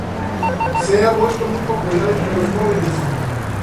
Se ha vuelto muy popular entre los jóvenes.